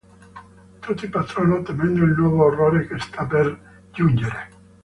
Tutti partono temendo il nuovo orrore che sta per giungere.